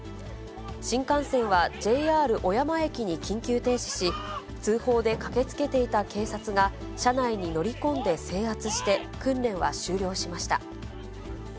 新幹線はＪＲ小山駅に緊急停止し、通報で駆けつけていた警察が、車内に乗り込んで制圧して、訓練は終了しました。